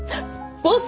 ボス！